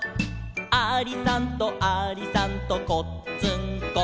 「ありさんとありさんとこっつんこ」